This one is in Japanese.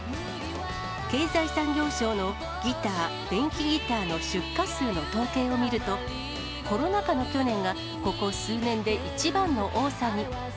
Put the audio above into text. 経済産業省のギター・電気ギターの出荷数の統計を見ると、コロナ禍の去年がここ数年で一番の多さに。